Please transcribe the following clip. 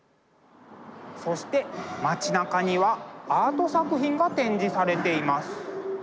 そして街なかにはアート作品が展示されています。